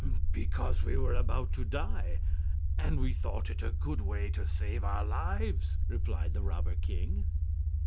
"Because we were about to die, and we thought it a good way to save our lives," replied the robber king.